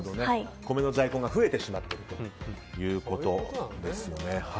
米の在庫が増えてしまっているということです。